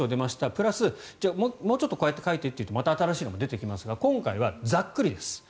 プラス、もうちょっとこうやって書いてというとまた新しいものが出てきますが今回はざっくりです。